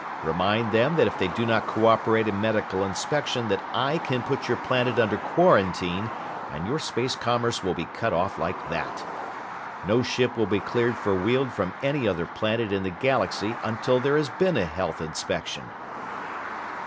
Remind them that if they do not cooperate in medical inspection that I can put your planet under quarantine and your space commerce will be cut off like that! "No ship will be cleared for Weald from any other planet in the galaxy until there has been a health inspection!